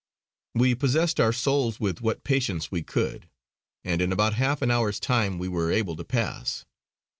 We possessed our souls with what patience we could, and in about half an hour's time we were able to pass.